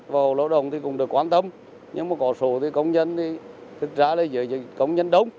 bảo hộ lao động cũng được quan tâm nhưng có số công nhân thực ra là dưới công nhân đông